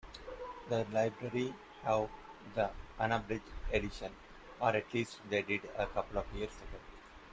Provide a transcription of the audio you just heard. The library have the unabridged edition, or at least they did a couple of years ago.